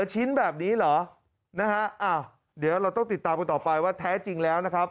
ชิ้นแบบนี้เหรอนะฮะอ้าวเดี๋ยวเราต้องติดตามกันต่อไปว่าแท้จริงแล้วนะครับ